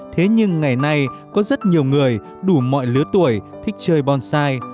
thế nhưng ngày nay có rất nhiều người đủ mọi lứa tuổi thích chơi bonsai